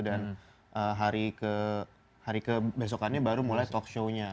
dan hari ke besokannya baru mulai talk show nya